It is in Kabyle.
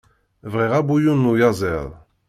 Bɣiɣ abuyun n uyaziḍ.